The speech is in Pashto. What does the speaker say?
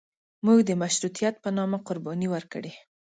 موږ د مشروطیت په نامه قرباني ورکړې.